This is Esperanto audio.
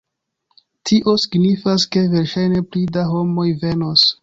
Tio signifas, ke verŝajne pli da homoj venos